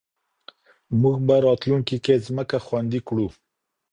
موږ به راتلونکې کې ځمکه خوندي کړو.